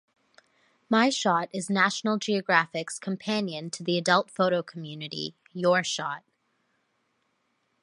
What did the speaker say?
My Shot is National Geographic's companion to the adult photo community "Your Shot".